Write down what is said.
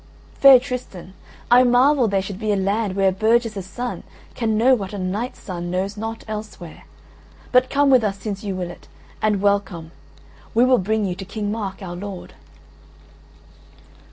"Fair Tristan, I marvel there should be a land where a burgess's son can know what a knight's son knows not elsewhere, but come with us since you will it; and welcome: we will bring you to King Mark, our lord."